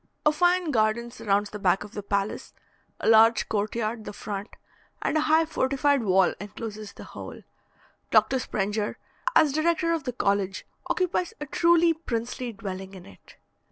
A fine garden surrounds the back of the palace, a large court yard the front, and a high fortified wall encloses the whole. Dr. Sprenger, as director of the college, occupies a truly princely dwelling in it.